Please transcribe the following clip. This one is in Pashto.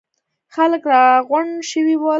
خلک راغونډ شوي ول.